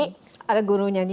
aku juga pengen nyanyi